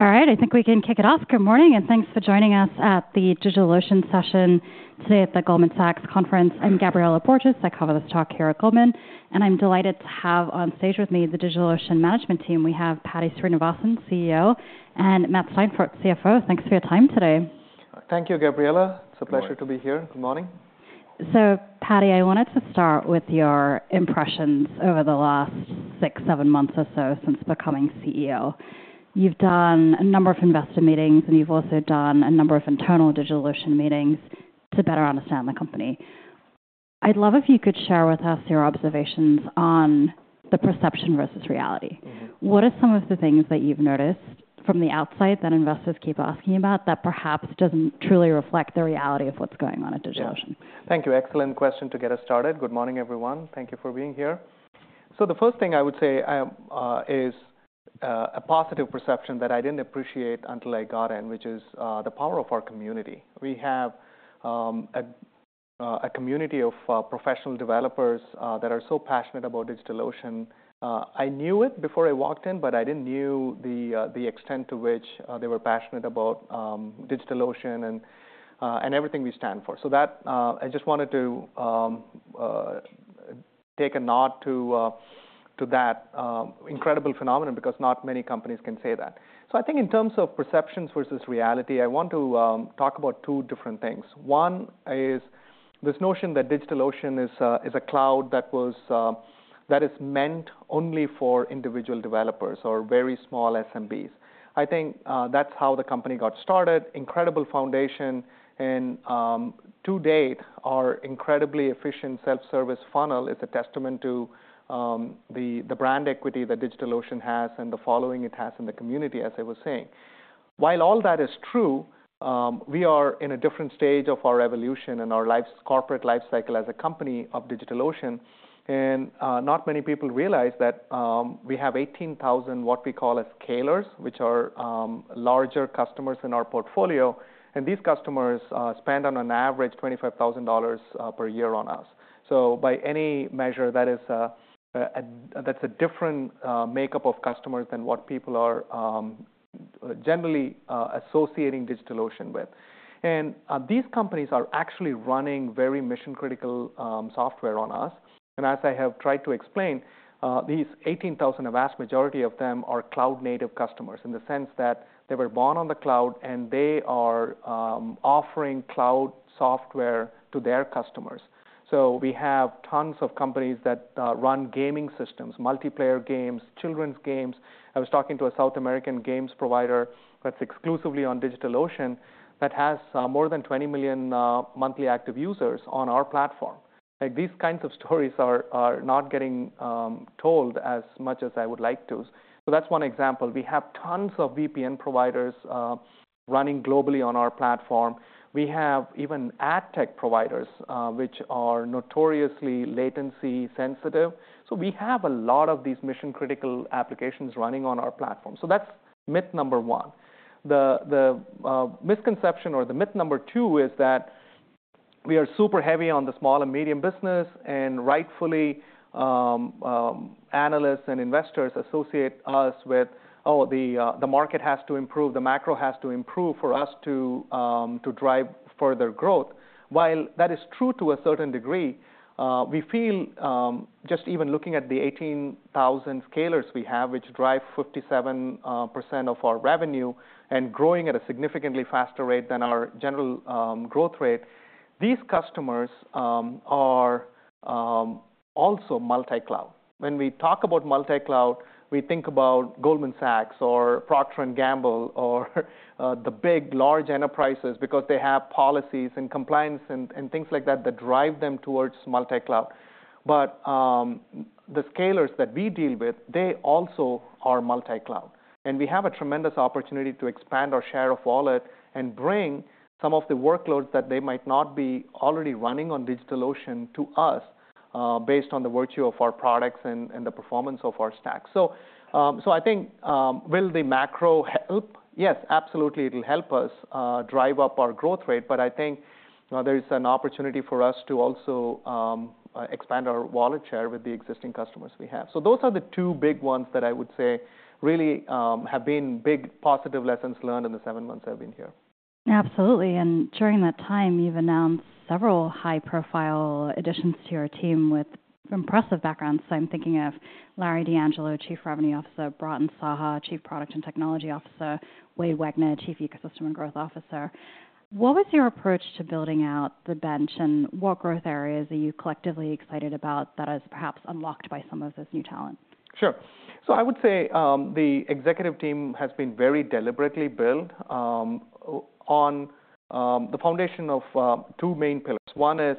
All right, I think we can kick it off. Good morning, and thanks for joining us at the DigitalOcean session today at the Goldman Sachs conference. I'm Gabriela Borges. I cover this talk here at Goldman, and I'm delighted to have on stage with me the DigitalOcean management team. We have Paddy Srinivasan, CEO, and Matt Seifert, CFO. Thanks for your time today. Thank you, Gabriela. It's a pleasure to be here. Good morning. So, Paddy, I wanted to start with your impressions over the last six, seven months or so since becoming CEO. You've done a number of investor meetings, and you've also done a number of internal DigitalOcean meetings to better understand the company. I'd love if you could share with us your observations on the perception versus reality. Mm-hmm. What are some of the things that you've noticed from the outside that investors keep asking about that perhaps doesn't truly reflect the reality of what's going on at DigitalOcean? Yeah. Thank you. Excellent question to get us started. Good morning, everyone. Thank you for being here. The first thing I would say is a positive perception that I didn't appreciate until I got in, which is the power of our community. We have a community of professional developers that are so passionate about DigitalOcean. I knew it before I walked in, but I didn't know the extent to which they were passionate about DigitalOcean and everything we stand for. That I just wanted to take a nod to that incredible phenomenon because not many companies can say that. I think in terms of perceptions versus reality, I want to talk about two different things. One is this notion that DigitalOcean is a cloud that is meant only for individual developers or very small SMBs. I think, that's how the company got started. Incredible foundation, and to date, our incredibly efficient self-service funnel is a testament to the brand equity that DigitalOcean has and the following it has in the community, as I was saying. While all that is true, we are in a different stage of our evolution and our lifecycle as a company of DigitalOcean, and not many people realize that, we have 18,000, what we call, as Scalers, which are larger customers in our portfolio, and these customers spend on an average $25,000 per year on us. So by any measure, that is a different makeup of customers than what people are generally associating DigitalOcean with. And these companies are actually running very mission-critical software on us. And as I have tried to explain, these eighteen thousand, a vast majority of them are cloud-native customers in the sense that they were born on the cloud, and they are offering cloud software to their customers. So we have tons of companies that run gaming systems, multiplayer games, children's games. I was talking to a South American games provider that's exclusively on DigitalOcean, that has more than twenty million monthly active users on our platform. These kinds of stories are not getting told as much as I would like to. So that's one example. We have tons of VPN providers, running globally on our platform. We have even adtech providers, which are notoriously latency sensitive. So we have a lot of these mission-critical applications running on our platform. So that's myth number one. The misconception or the myth number two is that we are super heavy on the small and medium business, and rightfully, analysts and investors associate us with, "Oh, the market has to improve, the macro has to improve for us to drive further growth." While that is true to a certain degree, we feel, just even looking at the 18,000 Scalers we have, which drive 57% of our revenue and growing at a significantly faster rate than our general growth rate, these customers are also multi-cloud. When we talk about multi-cloud, we think about Goldman Sachs or Procter & Gamble or the big, large enterprises because they have policies and compliance and things like that, that drive them towards multi-cloud. But the Scalers that we deal with, they also are multi-cloud, and we have a tremendous opportunity to expand our share of wallet and bring some of the workloads that they might not be already running on DigitalOcean to us based on the virtue of our products and the performance of our stack. So, so I think will the macro help? Yes, absolutely, it'll help us drive up our growth rate, but I think there is an opportunity for us to also expand our wallet share with the existing customers we have. So those are the two big ones that I would say really have been big positive lessons learned in the seven months I've been here. Absolutely, and during that time, you've announced several high-profile additions to your team with impressive backgrounds. So I'm thinking of Larry D'Angelo, Chief Revenue Officer, Bratin Saha, Chief Product and Technology Officer, Wade Wegner, Chief Ecosystem and Growth Officer. What was your approach to building out the bench, and what growth areas are you collectively excited about that is perhaps unlocked by some of this new talent? Sure. So I would say, the executive team has been very deliberately built, on the foundation of, two main pillars. One is,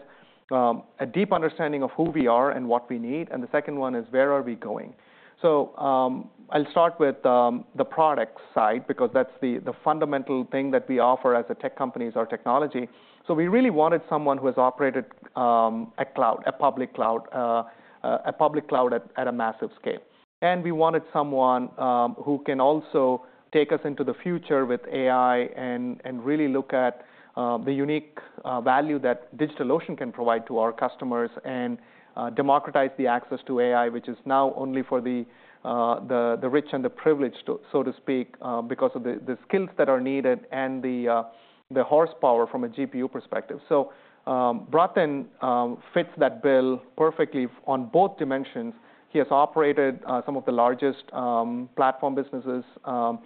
a deep understanding of who we are and what we need, and the second one is, where are we going? So, I'll start with, the product side, because that's the fundamental thing that we offer as a tech company is our technology. So we really wanted someone who has operated, a public cloud at a massive scale. We wanted someone who can also take us into the future with AI and really look at the unique value that DigitalOcean can provide to our customers and democratize the access to AI, which is now only for the rich and the privileged, so to speak, because of the skills that are needed and the horsepower from a GPU perspective. So, Bratin fits that bill perfectly on both dimensions. He has operated some of the largest platform businesses for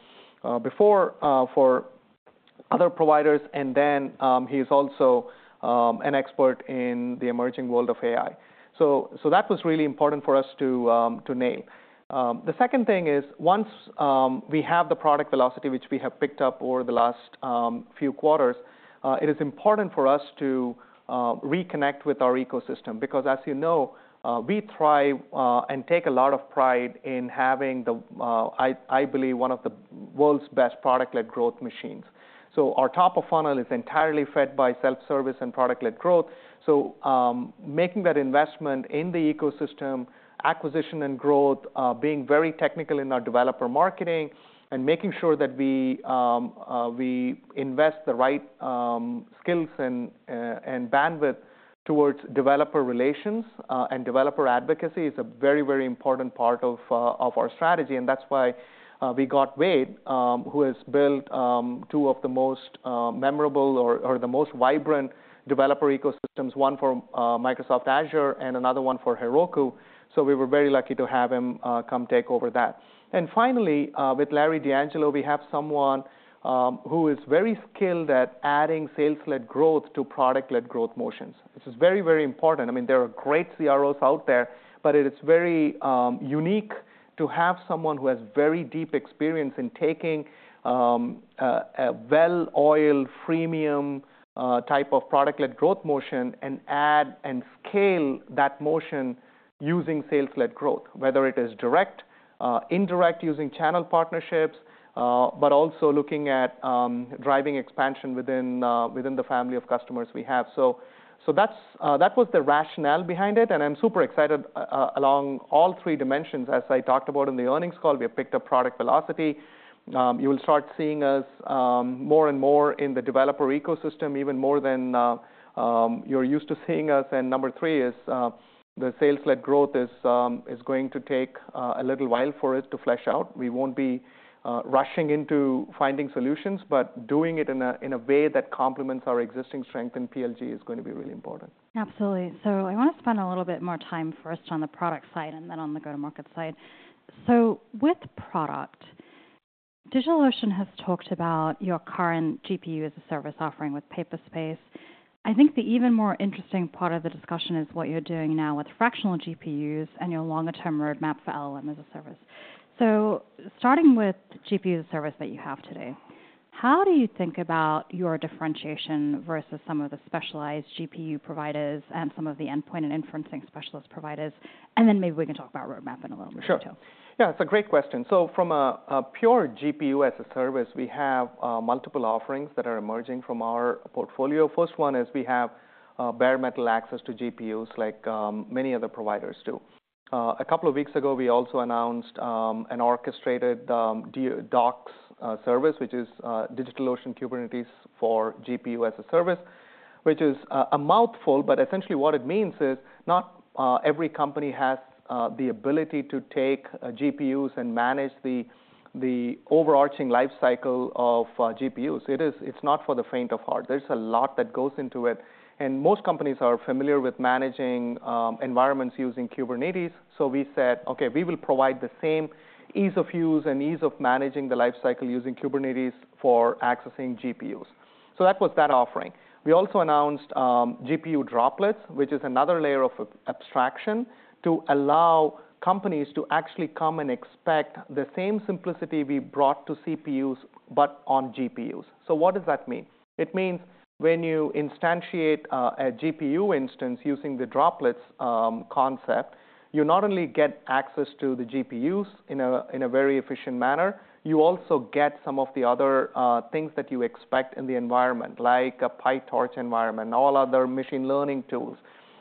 other providers, and then he's also an expert in the emerging world of AI. So that was really important for us to nail. The second thing is, once we have the product velocity, which we have picked up over the last few quarters, it is important for us to reconnect with our ecosystem, because as you know, we thrive and take a lot of pride in having the, I believe, one of the world's best product-led growth machines. So our top of funnel is entirely fed by self-service and product-led growth. So, making that investment in the ecosystem, acquisition and growth, being very technical in our developer marketing and making sure that we invest the right skills and bandwidth towards developer relations and developer advocacy is a very, very important part of our strategy, and that's why we got Wade, who has built two of the most memorable or the most vibrant developer ecosystems, one for Microsoft Azure and another one for Heroku. So we were very lucky to have him come take over that. And finally, with Larry D'Angelo, we have someone who is very skilled at adding sales-led growth to product-led growth motions. This is very, very important. I mean, there are great CROs out there, but it is very unique to have someone who has very deep experience in taking a well-oiled freemium type of product-led growth motion and scale that motion using sales-led growth, whether it is direct, indirect, using channel partnerships, but also looking at driving expansion within the family of customers we have. So that was the rationale behind it, and I'm super excited, along all three dimensions. As I talked about in the earnings call, we have picked up product velocity. You will start seeing us more and more in the developer ecosystem, even more than you're used to seeing us, and number three is the sales-led growth is going to take a little while for it to flesh out. We won't be rushing into finding solutions, but doing it in a way that complements our existing strength in PLG is going to be really important. Absolutely. So I want to spend a little bit more time first on the product side and then on the go-to-market side. So with product, DigitalOcean has talked about your current GPU-as-a-Service offering with Paperspace. I think the even more interesting part of the discussion is what you're doing now with fractional GPUs and your longer-term roadmap for LLM-as-a-Service. So starting with GPU-as-a-Service that you have today, how do you think about your differentiation versus some of the specialized GPU providers and some of the endpoint and inferencing specialist providers? And then maybe we can talk about roadmap in a little bit, too. Sure. Yeah, it's a great question. So from a pure GPU-as-a-Service, we have multiple offerings that are emerging from our portfolio. First one is we have bare metal access to GPUs like many other providers do. A couple of weeks ago, we also announced an orchestrated DOKS service, which is DigitalOcean Kubernetes for GPU-as-a-Service, which is a mouthful, but essentially what it means is not every company has the ability to take GPUs and manage the overarching life cycle of GPUs. It is. It's not for the faint of heart. There's a lot that goes into it, and most companies are familiar with managing environments using Kubernetes. So we said, "Okay, we will provide the same ease of use and ease of managing the life cycle using Kubernetes for accessing GPUs." So that was that offering. We also announced GPU Droplets, which is another layer of abstraction to allow companies to actually come and expect the same simplicity we brought to CPUs, but on GPUs. So what does that mean? It means when you instantiate a GPU instance using the Droplets concept, you not only get access to the GPUs in a very efficient manner, you also get some of the other things that you expect in the environment, like a PyTorch environment and all other machine learning tools.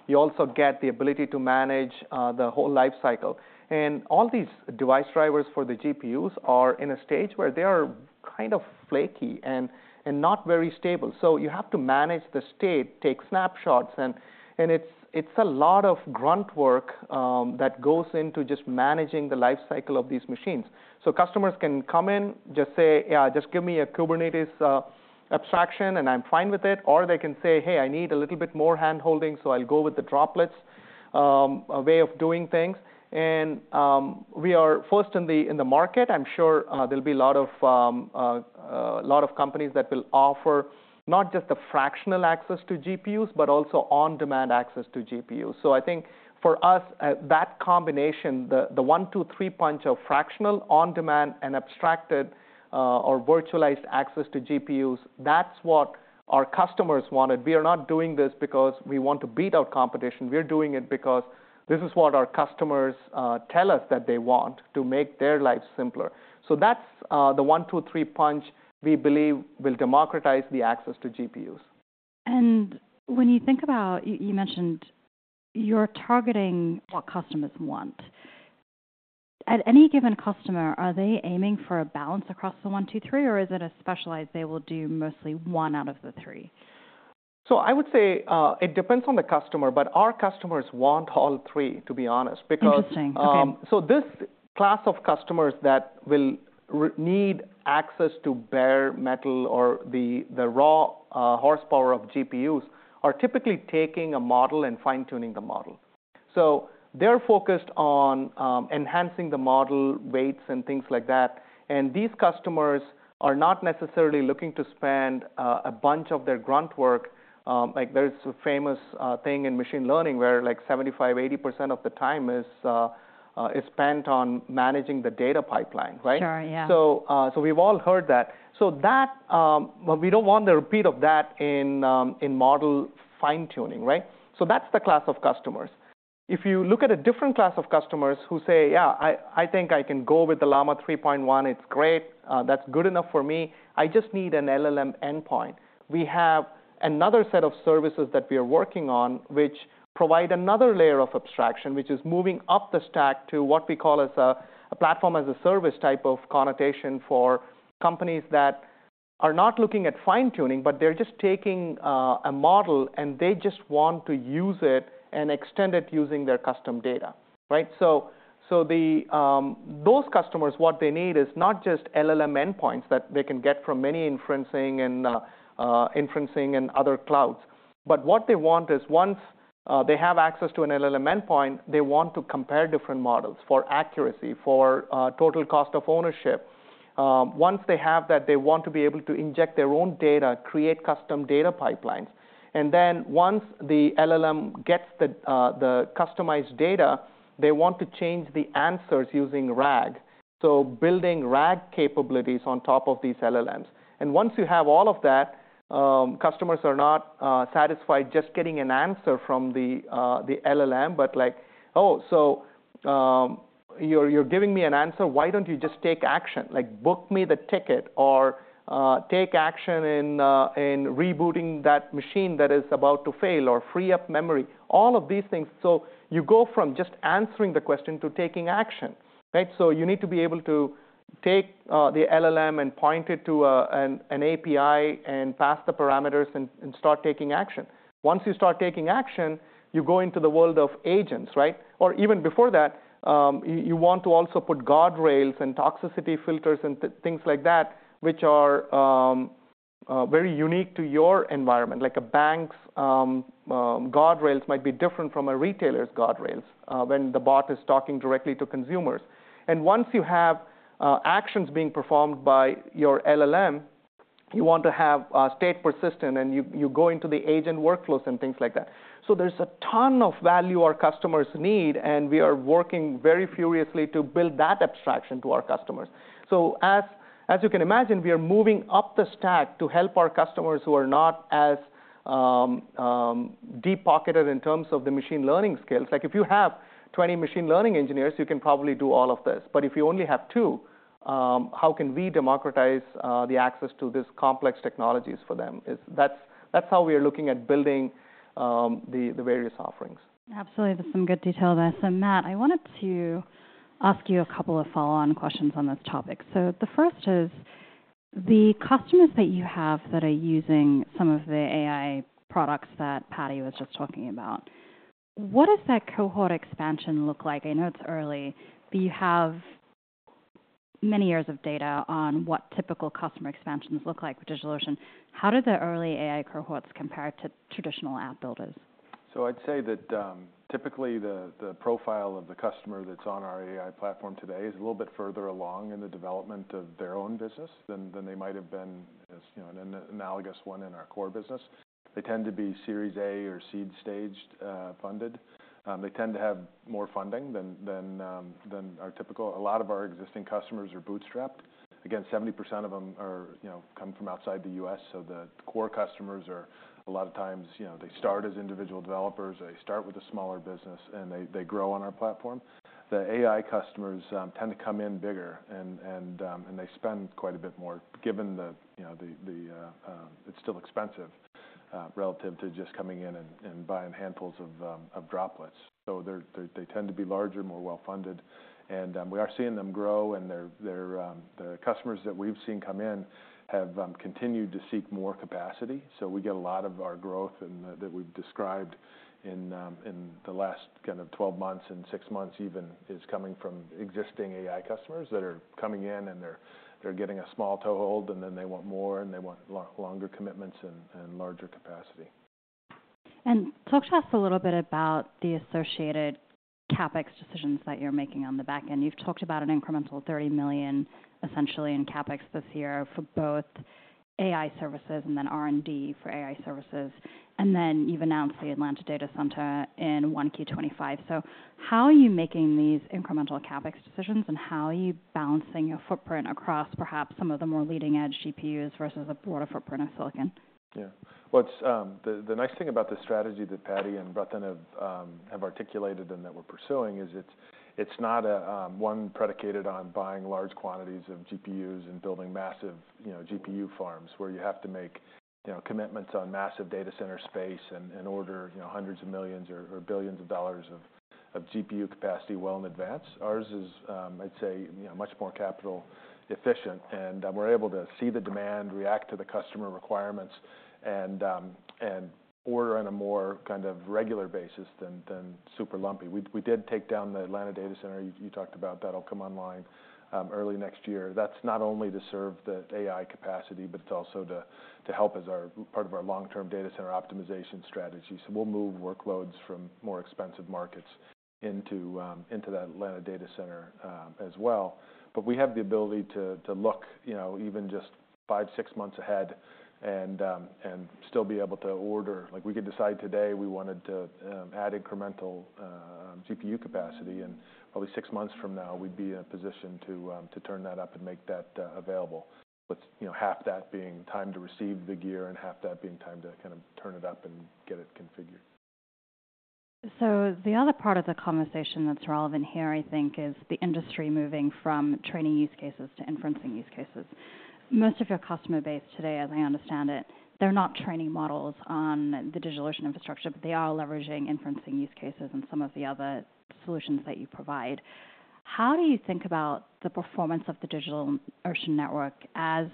You also get the ability to manage the whole life cycle. And all these device drivers for the GPUs are in a stage where they are kind of flaky and not very stable. So you have to manage the state, take snapshots, and it's a lot of grunt work that goes into just managing the life cycle of these machines. So customers can come in, just say, "Yeah, just give me a Kubernetes abstraction, and I'm fine with it." Or they can say: "Hey, I need a little bit more hand-holding, so I'll go with the Droplets way of doing things." And we are first in the market. I'm sure there'll be a lot of companies that will offer not just the fractional access to GPUs, but also on-demand access to GPUs. So I think for us, that combination, the one, two, three punch of fractional, on-demand, and abstracted, or virtualized access to GPUs, that's what our customers wanted. We are not doing this because we want to beat our competition. We are doing it because this is what our customers tell us that they want to make their lives simpler. So that's the one, two, three punch we believe will democratize the access to GPUs. When you think about—you mentioned you're targeting what customers want. At any given customer, are they aiming for a balance across the one, two, three, or is it a specialized, they will do mostly one out of the three? So I would say, it depends on the customer, but our customers want all three, to be honest, because- Interesting. Okay. So this class of customers that will need access to bare metal or the raw horsepower of GPUs are typically taking a model and fine-tuning the model. So they're focused on enhancing the model weights and things like that. And these customers are not necessarily looking to spend a bunch of their grunt work. Like, there is a famous thing in machine learning where, like, 75%-80% of the time is spent on managing the data pipeline, right? Sure, yeah. So we've all heard that. So that, but we don't want the repeat of that in model fine-tuning, right? So that's the class of customers. If you look at a different class of customers who say, "Yeah, I, I think I can go with the Llama 3.1. It's great. That's good enough for me. I just need an LLM endpoint," we have another set of services that we are working on, which provide another layer of abstraction, which is moving up the stack to what we call as a "Platform-as-a-Service"-type of connotation for companies that are not looking at fine-tuning, but they're just taking a model, and they just want to use it and extend it using their custom data, right? So, those customers, what they need is not just LLM endpoints that they can get from many inferencing and other clouds. But what they want is, once they have access to an LLM endpoint, they want to compare different models for accuracy, for total cost of ownership. Once they have that, they want to be able to inject their own data, create custom data pipelines, and then once the LLM gets the customized data, they want to change the answers using RAG. So building RAG capabilities on top of these LLMs. And once you have all of that, customers are not satisfied just getting an answer from the LLM, but like, "Oh, so, you're giving me an answer, why don't you just take action? Like, book me the ticket, or, take action in in rebooting that machine that is about to fail, or free up memory." All of these things. So you go from just answering the question to taking action, right? So you need to be able to take, the LLM and point it to a, an API and pass the parameters and start taking action. Once you start taking action, you go into the world of agents, right? Or even before that, you want to also put guardrails and toxicity filters and things like that, which are, very unique to your environment. Like a bank's, guardrails might be different from a retailer's guardrails, when the bot is talking directly to consumers. And once you have actions being performed by your LLM, you want to have stay persistent, and you go into the agent workflows and things like that. So there's a ton of value our customers need, and we are working very furiously to build that abstraction to our customers. So as you can imagine, we are moving up the stack to help our customers who are not as deep-pocketed in terms of the machine learning skills. Like, if you have 20 machine learning engineers, you can probably do all of this. But if you only have two, how can we democratize the access to these complex technologies for them? That's how we are looking at building the various offerings. Absolutely. There's some good detail there. So, Matt, I wanted to ask you a couple of follow-on questions on this topic. So the first is, the customers that you have that are using some of the AI products that Paddy was just talking about, what does that cohort expansion look like? I know it's early, but you have many years of data on what typical customer expansions look like with DigitalOcean. How do the early AI cohorts compare to traditional app builders? So I'd say that typically the profile of the customer that's on our AI platform today is a little bit further along in the development of their own business than they might have been, as you know, an analogous one in our core business. They tend to be Series A or seed-funded. They tend to have more funding than our typical—a lot of our existing customers are bootstrapped. Again, 70% of them, you know, come from outside the U.S., so the core customers are, a lot of times, you know, they start as individual developers, they start with a smaller business, and they grow on our platform. The AI customers tend to come in bigger and they spend quite a bit more, given that, you know, it's still expensive relative to just coming in and buying handfuls of Droplets. So they tend to be larger, more well-funded, and we are seeing them grow, and they're the customers that we've seen come in have continued to seek more capacity. So we get a lot of our growth and that we've described in the last kind of twelve months and six months even is coming from existing AI customers that are coming in, and they're getting a small toehold, and then they want more, and they want longer commitments and larger capacity. And talk to us a little bit about the associated CapEx decisions that you're making on the back end. You've talked about an incremental $30 million, essentially in CapEx this year for both AI services and then R&D for AI services. And then you've announced the Atlanta data center in Q1 2025. So how are you making these incremental CapEx decisions, and how are you balancing your footprint across perhaps some of the more leading-edge GPUs versus a broader footprint of silicon? Yeah. The nice thing about the strategy that Paddy and Bratin have articulated and that we're pursuing is it's not a one predicated on buying large quantities of GPUs and building massive, you know, GPU farms, where you have to make, you know, commitments on massive data center space and order, you know, hundreds of millions or billions of dollars of GPU capacity well in advance. Ours is, I'd say, you know, much more capital efficient, and we're able to see the demand, react to the customer requirements, and order on a more kind of regular basis than super lumpy. We did take down the Atlanta data center you talked about, that'll come online early next year. That's not only to serve the AI capacity, but it's also to help as our part of our long-term data center optimization strategy. So we'll move workloads from more expensive markets into that Atlanta data center as well. But we have the ability to look, you know, even just five, six months ahead and still be able to order. Like, we could decide today we wanted to add incremental GPU capacity, and probably six months from now, we'd be in a position to turn that up and make that available. With, you know, half that being time to receive the gear and half that being time to kind of turn it up and get it configured. The other part of the conversation that's relevant here, I think, is the industry moving from training use cases to inferencing use cases. Most of your customer base today, as I understand it, they're not training models on the DigitalOcean infrastructure, but they are leveraging inferencing use cases and some of the other solutions that you provide. How do you think about the performance of the DigitalOcean network as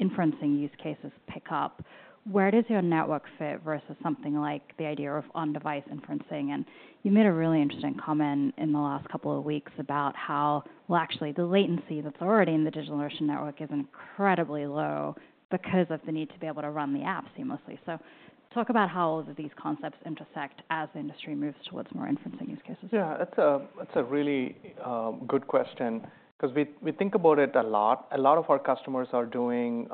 inferencing use cases pick up? Where does your network fit versus something like the idea of on-device inferencing? And you made a really interesting comment in the last couple of weeks about how, well, actually, the latency that's already in the DigitalOcean network is incredibly low because of the need to be able to run the app seamlessly. So talk about how all of these concepts intersect as the industry moves towards more inferencing use cases. Yeah, that's a, that's a really good question 'cause we think about it a lot. A lot of our customers are doing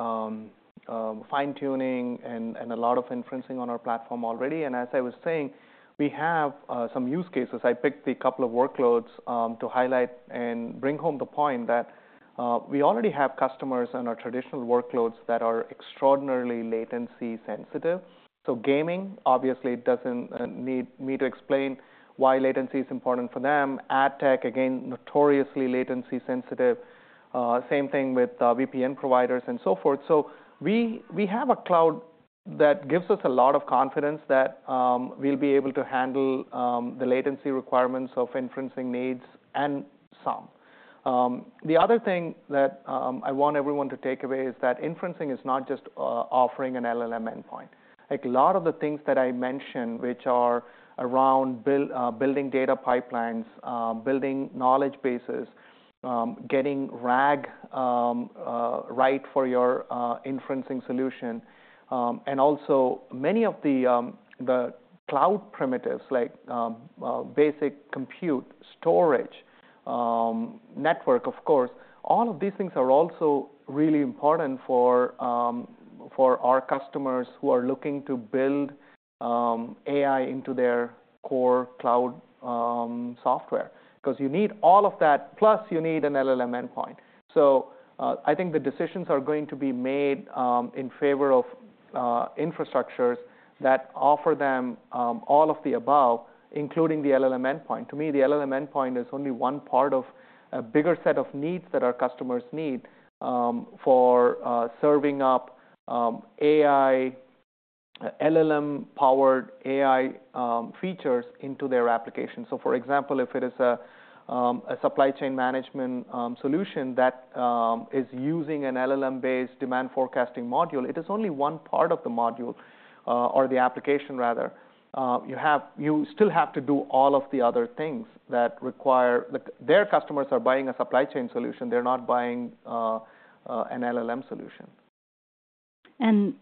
fine-tuning and a lot of inferencing on our platform already. And as I was saying, we have some use cases. I picked a couple of workloads to highlight and bring home the point that we already have customers on our traditional workloads that are extraordinarily latency sensitive. So gaming, obviously, doesn't need me to explain why latency is important for them. AdTech, again, notoriously latency sensitive. Same thing with VPN providers and so forth. So we have a cloud that gives us a lot of confidence that we'll be able to handle the latency requirements of inferencing needs and some. The other thing that I want everyone to take away is that inferencing is not just offering an LLM endpoint. Like, a lot of the things that I mentioned, which are around building data pipelines, building knowledge bases, getting RAG right for your inferencing solution, and also many of the cloud primitives, like, basic compute, storage, network, of course, all of these things are also really important for our customers who are looking to build AI into their core cloud software. 'Cause you need all of that, plus you need an LLM endpoint. So, I think the decisions are going to be made in favor of infrastructures that offer them all of the above, including the LLM endpoint. To me, the LLM endpoint is only one part of a bigger set of needs that our customers need for serving up AI, LLM-powered AI features into their application. So, for example, if it is a supply chain management solution that is using an LLM-based demand forecasting module, it is only one part of the module or the application, rather. You still have to do all of the other things that require. Their customers are buying a supply chain solution, they're not buying an LLM solution.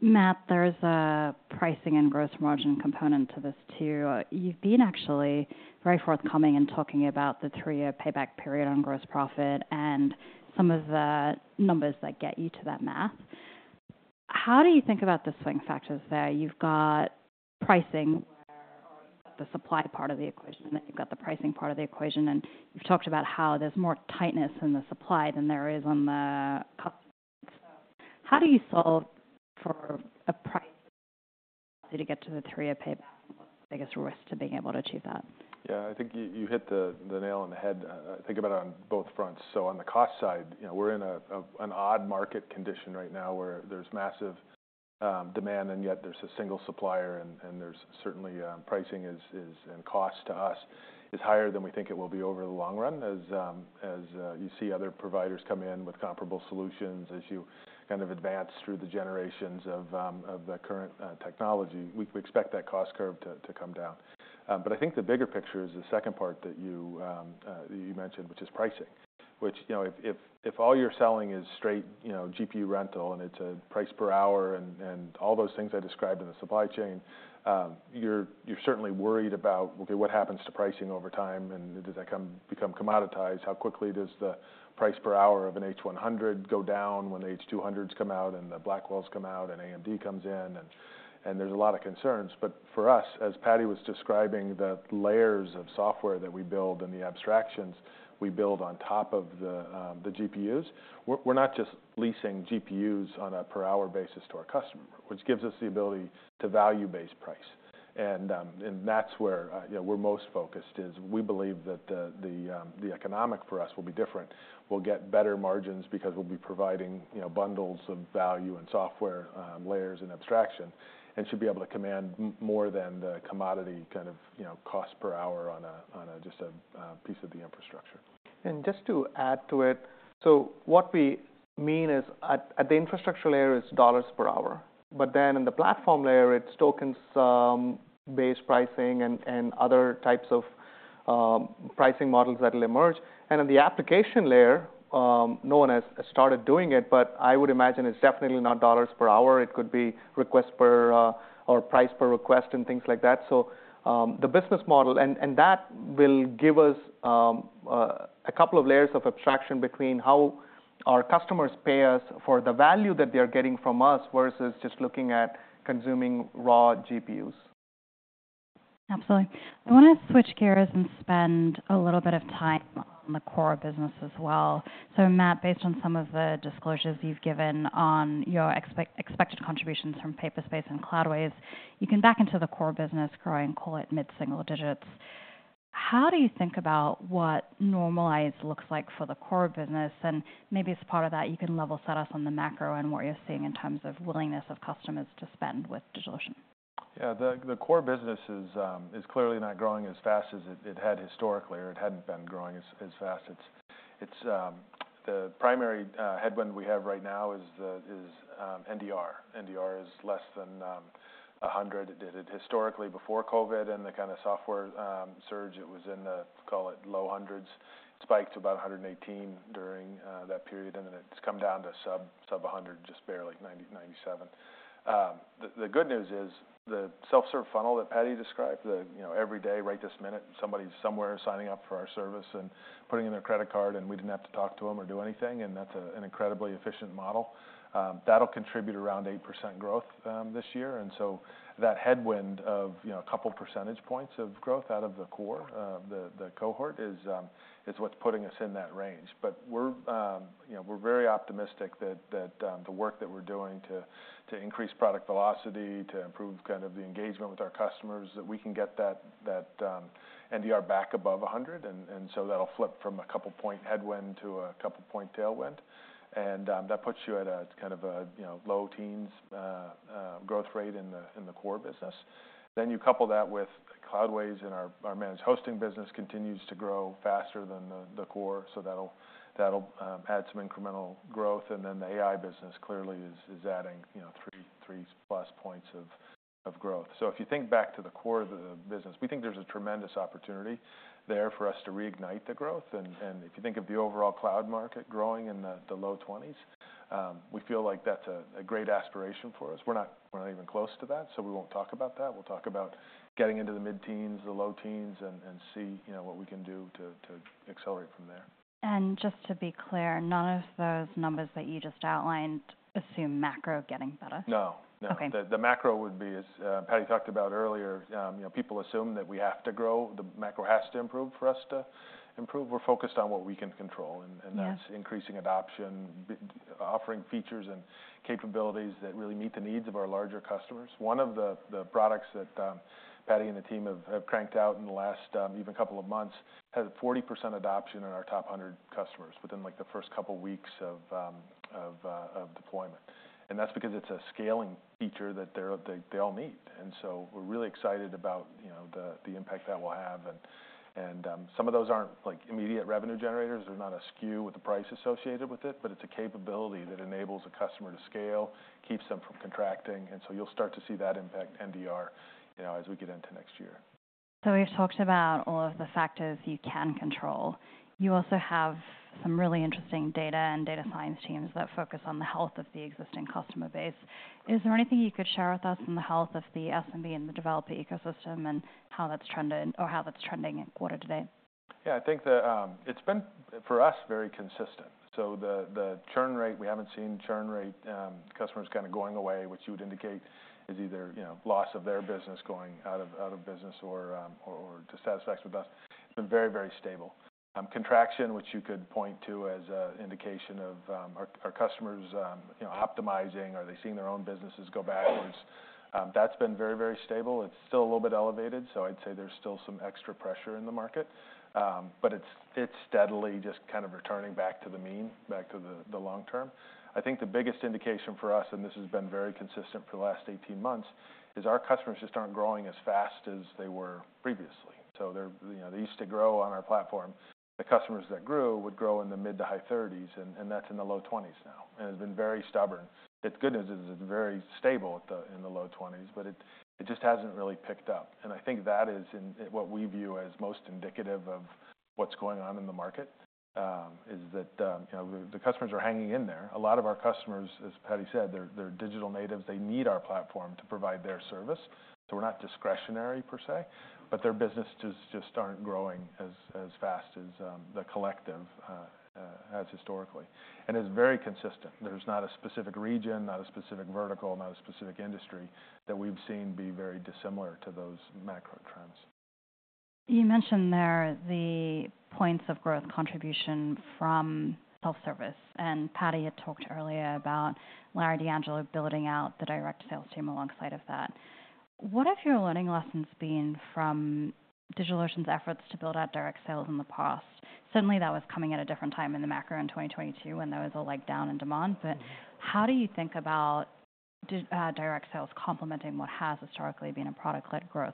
Matt, there's a pricing and gross margin component to this, too. You've been actually very forthcoming in talking about the three-year payback period on gross profit and some of the numbers that get you to that math. How do you think about the swing factors there? You've got pricing, where the supply part of the equation, and then you've got the pricing part of the equation, and you've talked about how there's more tightness in the supply than there is on the cost. How do you solve for a price to get to the three-year payback? What's the biggest risk to being able to achieve that? Yeah, I think you hit the nail on the head. Think about it on both fronts. So on the cost side, you know, we're in an odd market condition right now, where there's massive demand, and yet there's a single supplier, and there's certainly pricing is and cost to us is higher than we think it will be over the long run. As you see other providers come in with comparable solutions, as you kind of advance through the generations of the current technology, we expect that cost curve to come down. But I think the bigger picture is the second part that you mentioned, which is pricing. Which, you know, if all you're selling is straight, you know, GPU rental, and it's a price per hour, and all those things I described in the supply chain, you're certainly worried about, okay, what happens to pricing over time, and does that become commoditized? How quickly does the price per hour of an H100 go down when the H200s come out, and the Blackwells come out, and AMD comes in? And there's a lot of concerns. But for us, as Paddy was describing, the layers of software that we build and the abstractions we build on top of the GPUs, we're not just leasing GPUs on a per-hour basis to our customer, which gives us the ability to value-based price. That's where, you know, we're most focused, is we believe that the economic for us will be different. We'll get better margins because we'll be providing, you know, bundles of value and software layers and abstraction, and should be able to command more than the commodity kind of, you know, cost per hour on a just a piece of the infrastructure. And just to add to it, so what we mean is at the infrastructure layer, it's dollars per hour, but then in the platform layer, it's token-based pricing and other types of pricing models that will emerge. And in the application layer, no one has started doing it, but I would imagine it's definitely not dollars per hour. It could be requests per or price per request and things like that. So, the business model. And that will give us a couple of layers of abstraction between how our customers pay us for the value that they're getting from us, versus just looking at consuming raw GPUs. Absolutely. I want to switch gears and spend a little bit of time on the core business as well. So Matt, based on some of the disclosures you've given on your expected contributions from Paperspace and Cloudways, you can back into the core business growing, call it mid-single digits. How do you think about what normalized looks like for the core business? And maybe as part of that, you can level set us on the macro and what you're seeing in terms of willingness of customers to spend with DigitalOcean. Yeah. The core business is clearly not growing as fast as it had historically, or it hadn't been growing as fast. It's the primary headwind we have right now is the NDR. NDR is less than 100%. It did historically before COVID and the kind of software surge, it was in the, call it, low hundreds. Spiked to about 118% during that period, and then it's come down to sub 100%, just barely, 97%. The good news is, the self-serve funnel that Paddy described, you know, every day, right this minute, somebody somewhere signing up for our service and putting in their credit card, and we didn't have to talk to them or do anything, and that's an incredibly efficient model. That'll contribute around 8% growth this year. And so that headwind of, you know, a couple percentage points of growth out of the core, the cohort, is what's putting us in that range. But we're, you know, we're very optimistic that the work that we're doing to increase product velocity, to improve kind of the engagement with our customers, that we can get that NDR back above a hundred. And so that'll flip from a couple point headwind to a couple point tailwind. And that puts you at a kind of a, you know, low teens growth rate in the core business. Then you couple that with Cloudways, and our managed hosting business continues to grow faster than the core, so that'll add some incremental growth. The AI business clearly is adding, you know, three-plus points of growth. If you think back to the core of the business, we think there's a tremendous opportunity there for us to reignite the growth. If you think of the overall cloud market growing in the low twenties, we feel like that's a great aspiration for us. We're not even close to that, so we won't talk about that. We'll talk about getting into the mid-teens, the low teens, and see, you know, what we can do to accelerate from there. Just to be clear, none of those numbers that you just outlined assume macro getting better? No. No. Okay. The macro would be, as Paddy talked about earlier, you know, people assume that we have to grow, the macro has to improve for us to improve. We're focused on what we can control. Yeah. And that's increasing adoption by offering features and capabilities that really meet the needs of our larger customers. One of the products that Paddy and the team have cranked out in the last even couple of months has 40% adoption in our top 100 customers within, like, the first couple weeks of deployment. And that's because it's a scaling feature that they all need. And so we're really excited about, you know, the impact that will have. And some of those aren't like immediate revenue generators. They're not a SKU with a price associated with it, but it's a capability that enables a customer to scale, keeps them from contracting, and so you'll start to see that impact NDR, you know, as we get into next year. So we've talked about all of the factors you can control. You also have some really interesting data and data science teams that focus on the health of the existing customer base. Is there anything you could share with us on the health of the SMB and the developer ecosystem, and how that's trending, or how that's trending in quarter-to-date? Yeah, I think it's been, for us, very consistent. So the churn rate, we haven't seen customers kind of going away, which you would indicate is either, you know, loss of their business, going out of business or dissatisfied with us. It's been very, very stable. Contraction, which you could point to as a indication of our customers, you know, optimizing or they're seeing their own businesses go backwards. That's been very, very stable. It's still a little bit elevated, so I'd say there's still some extra pressure in the market, but it's steadily just kind of returning back to the mean, back to the long term. I think the biggest indication for us, and this has been very consistent for the last eighteen months, is our customers just aren't growing as fast as they were previously. So they're—you know, they used to grow on our platform. The customers that grew would grow in the mid- to high thirties, and that's in the low twenties now, and it's been very stubborn. The good news is, it's very stable in the low twenties, but it just hasn't really picked up. And I think that is in, what we view as most indicative of what's going on in the market, is that, you know, the customers are hanging in there. A lot of our customers, as Paddy said, they're digital natives. They need our platform to provide their service, so we're not discretionary per se, but their businesses just aren't growing as fast as the collective has historically. And it's very consistent. There's not a specific region, not a specific vertical, not a specific industry that we've seen be very dissimilar to those macro trends. You mentioned there the points of growth contribution from self-service, and Paddy had talked earlier about Larry D'Angelo building out the direct sales team alongside of that. What have your learning lessons been from DigitalOcean's efforts to build out direct sales in the past? Suddenly, that was coming at a different time in the macro in 2022, when there was a, like, down in demand. But how do you think about direct sales complementing what has historically been a product-led growth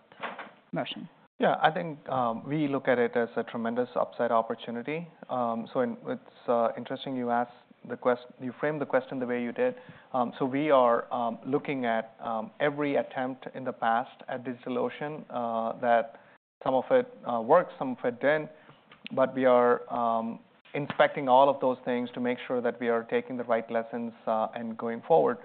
motion? Yeah, I think we look at it as a tremendous upside opportunity. So it's interesting you framed the question the way you did. So we are looking at every attempt in the past at DigitalOcean that some of it worked, some of it didn't, but we are inspecting all of those things to make sure that we are taking the right lessons and going forward.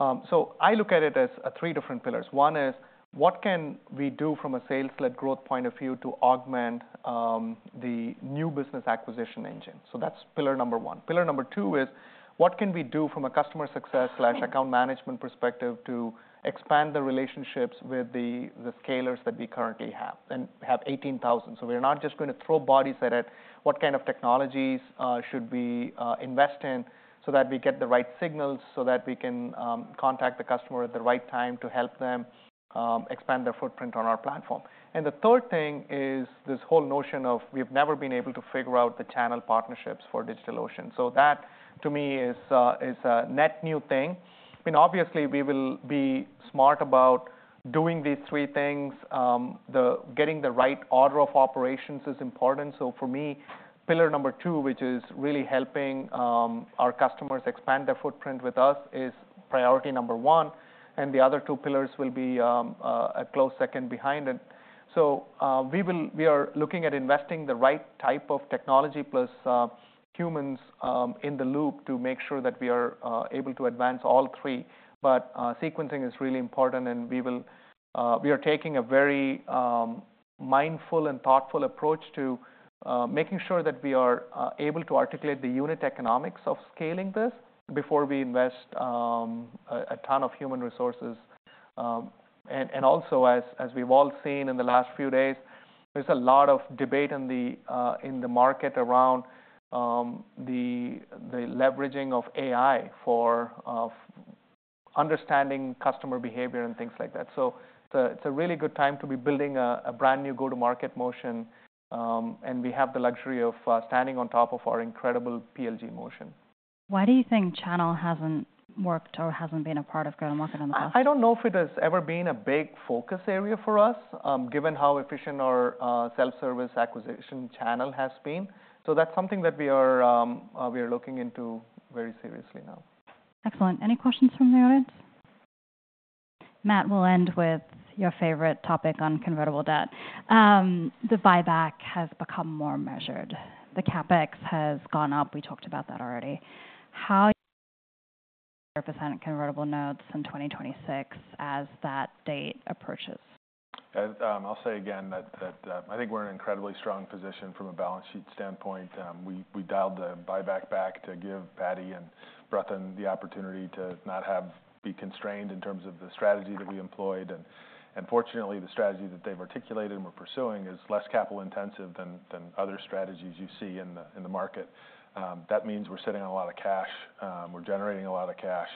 So I look at it as three different pillars. One is what can we do from a sales-led growth point of view to augment the new business acquisition engine? So that's Pillar One. Pillar Two is what can we do from a customer success/account management perspective to expand the relationships with the Scalers that we currently have, and we have eighteen thousand. So we are not just gonna throw bodies at it. What kind of technologies should we invest in, so that we get the right signals, so that we can contact the customer at the right time to help them expand their footprint on our platform? And the third thing is this whole notion of we've never been able to figure out the channel partnerships for DigitalOcean. So that, to me, is a net new thing. I mean, obviously, we will be smart about doing these three things. Getting the right order of operations is important. So for me, pillar number two, which is really helping our customers expand their footprint with us, is priority number one, and the other two pillars will be a close second behind it. We are looking at investing the right type of technology, plus humans in the loop, to make sure that we are able to advance all three. Sequencing is really important, and we are taking a very mindful and thoughtful approach to making sure that we are able to articulate the unit economics of scaling this before we invest a ton of human resources. Also, as we've all seen in the last few days, there's a lot of debate in the market around the leveraging of AI for understanding customer behavior and things like that. So it's a really good time to be building a brand-new go-to-market motion, and we have the luxury of standing on top of our incredible PLG motion. Why do you think channel hasn't worked or hasn't been a part of go-to-market in the past? I don't know if it has ever been a big focus area for us, given how efficient our self-service acquisition channel has been. So that's something that we are looking into very seriously now. Excellent. Any questions from the audience? Matt, we'll end with your favorite topic on convertible debt. The buyback has become more measured. The CapEx has gone up. We talked about that already. 0.25% convertible notes in 2026 as that date approaches? I'll say again that I think we're in an incredibly strong position from a balance sheet standpoint. We dialed the buyback back to give Paddy and Bratin the opportunity to not be constrained in terms of the strategy that we employed. And fortunately, the strategy that they've articulated and we're pursuing is less capital intensive than other strategies you see in the market. That means we're sitting on a lot of cash, we're generating a lot of cash,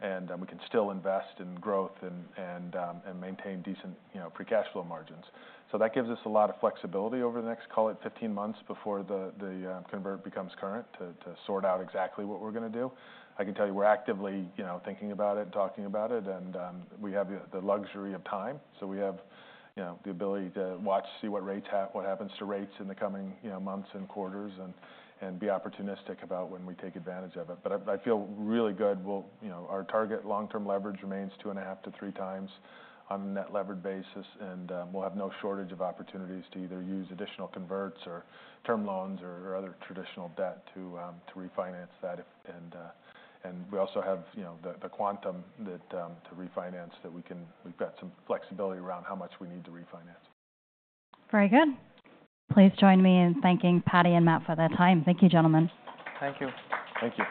and we can still invest in growth and maintain decent, you know, free cash flow margins. So that gives us a lot of flexibility over the next, call it, 15 months before the convert becomes current, to sort out exactly what we're gonna do. I can tell you we're actively, you know, thinking about it and talking about it, and we have the luxury of time, so we have, you know, the ability to watch, see what happens to rates in the coming, you know, months and quarters, and be opportunistic about when we take advantage of it. But I feel really good. You know, our target long-term leverage remains 2.5x-3x on a net levered basis, and we'll have no shortage of opportunities to either use additional converts or term loans or other traditional debt to refinance that. And we also have, you know, the quantum to refinance that we can. We've got some flexibility around how much we need to refinance. Very good. Please join me in thanking Paddy and Matt for their time. Thank you, gentlemen. Thank you. Thank you.